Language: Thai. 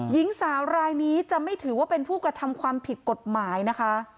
หญิงสาวรายนี้จะไม่ถือว่าเป็นผู้กระทำความผิดกฎหมายนะคะ